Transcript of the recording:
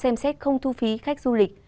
xem xét không thu phí khách du lịch